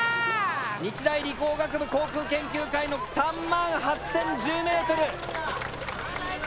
日大理工学部航空研究会の３８０１０ｍ。